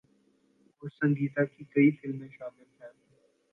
اور سنگیتا کی کئی فلمیں شامل ہیں۔